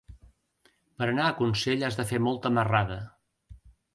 Per anar a Consell has de fer molta marrada.